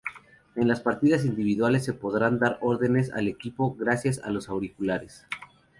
En las partidas individuales se podrán dar órdenes al equipo gracias a los auriculares.